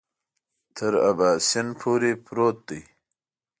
تر اباسین پورې پروت دی.